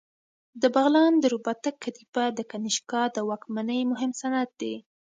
د بغلان د رباطک کتیبه د کنیشکا د واکمنۍ مهم سند دی